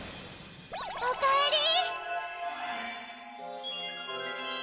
おかえり！